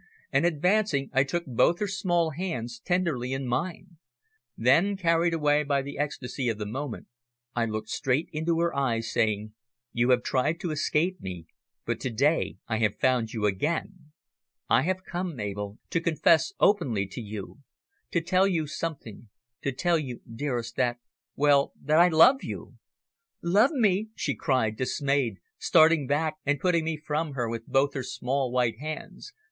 and, advancing, I took both her small hands tenderly in mine. Then, carried away by the ecstasy of the moment, I looked straight into her eyes, saying, "You have tried to escape me, but to day I have found you again. I have come, Mabel, to confess openly to you, to tell you something to tell you, dearest, that well, that I love you!" "Love me!" she cried, dismayed, starting back, and putting me from her with both her small, white hands.